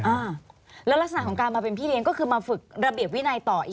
อ่าแล้วลักษณะของการมาเป็นพี่เลี้ยงก็คือมาฝึกระเบียบวินัยต่ออีก